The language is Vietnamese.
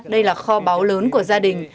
đây là kho báu lớn của gia đình